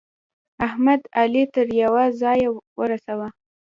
احمد؛ علي تر يوه ځايه ورساوو.